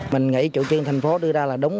mình nghĩ chủ trương thành phố đưa ra là đúng